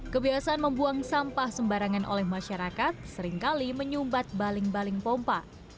kebiasaan membuang sampah sembarangan oleh masyarakat seringkali menyumbat baling baling pompa